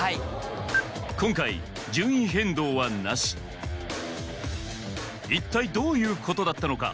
今回順位変動はなし一体どういうことだったのか？